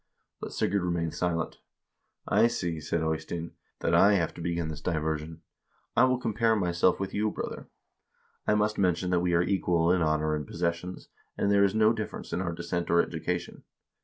But Sigurd remained silent. 'I see,' said Eystein, 'that I have to begin this diversion. I will compare myself with you, brother. I must mention that we are equal in honor and posses sions, and there is no difference in our descent or education.'